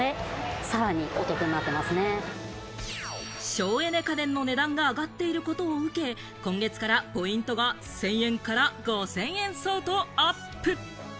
省エネ家電の値段が上がっていることを受け、今月からポイントが１０００円から５０００円相当をアップ！